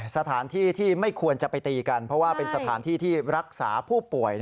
สถานที่ที่ไม่ควรจะไปตีกันเพราะว่าเป็นสถานที่ที่รักษาผู้ป่วย